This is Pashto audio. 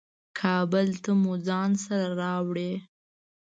کابل ته مو ځان سره راوړې.